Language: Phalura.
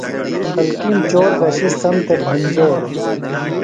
خلکِیم چور گھشیۡ سم تھےۡ بھنجولوۡ۔